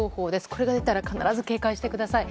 これが出たら必ず警戒してください。